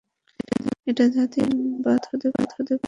এটা জাতীয় সংবাদ হতে হবে, স্যার।